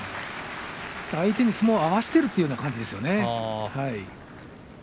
相手に相撲を合わせているという感じですね、豊昇龍は。